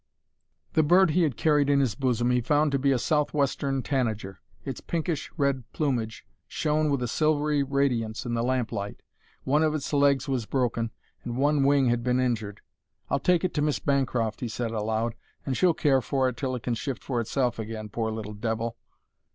The bird he had carried in his bosom he found to be a Southwestern tanager. Its pinkish red plumage shone with a silvery radiance in the lamplight. One of its legs was broken, and one wing had been injured. "I'll take it to Miss Bancroft," he said aloud, "and she'll care for it till it can shift for itself again, poor little devil!"